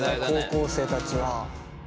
高校生たちは。